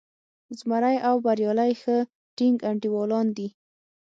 زمری او بریالی ښه ټینګ انډیوالان دي.